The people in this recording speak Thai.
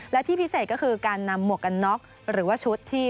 และที่พิเศษก็คือการนำหมวกกันน็อกหรือว่าชุดที่